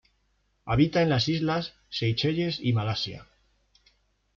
Habita en las islas Seychelles y Malasia.